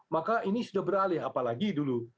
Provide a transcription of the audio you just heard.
maka ini sudah beralih apalagi dulu